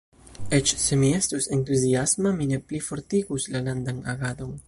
Eĉ se mi estus entuziasma, mi ne plifortigus la landan agadon.